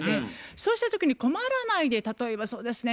そうした時に困らないで例えばそうですね